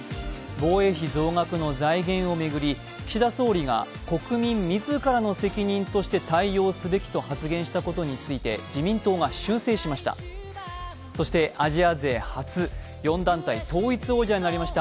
防衛費増額の財源を巡り岸田総理が国民自らの責任として対応すべきと発言したことについて自民党が修正しました。